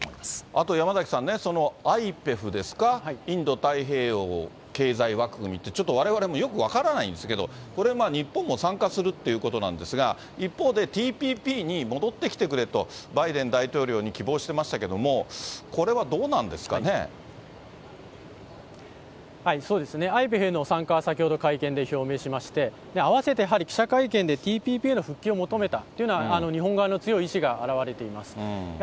あと山崎さん、アイペフですか、インド太平洋経済枠組みって、ちょっと、われわれもよく分からないんですけれども、これまあ、日本も参加するということなんですが、一方で、ＴＰＰに戻ってきてくれと、バイデン大統領に希望してましたけれそうですね、アイペフへの参加は先ほど会見で表明しまして、合わせてやはり記者会見でＴＰＰへの復帰を求めたというのは、日本側の強い意思があらわれています。